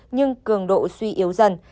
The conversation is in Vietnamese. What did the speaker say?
nhưng cường độ suy yếu dần